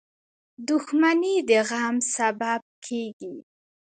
• دښمني د غم سبب کېږي.